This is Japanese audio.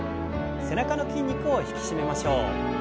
背中の筋肉を引き締めましょう。